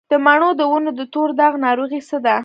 د مڼو د ونو د تور داغ ناروغي څه ده؟